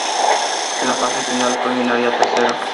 En la Fase final culminaría tercero.